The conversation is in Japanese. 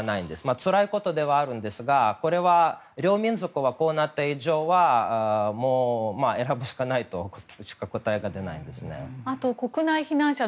つらいことではあるんですがこれは両民族がこうなった以上は選ぶしかないとしか答えが出ないですね。